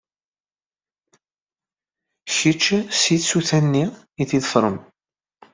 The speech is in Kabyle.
Kečč si tsuta-nni i d-iḍefren.